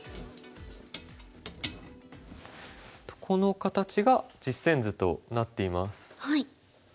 この形が実戦図となっています。